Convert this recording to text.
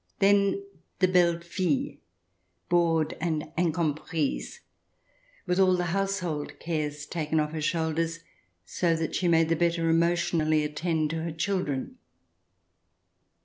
Then the belle fille, bored and incom prise, with all the household cares taken off her shoulders so that she may the better emotionally attend to her children.